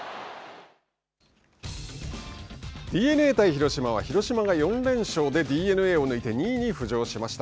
ＤｅＮＡ対広島は広島が４連勝でＤｅＮＡを抜いて２位に浮上しました。